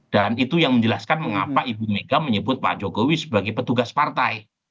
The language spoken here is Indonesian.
dan itu yang menjelaskan mengapa ibu mega menyebut pak jokowi sebagai petugas partai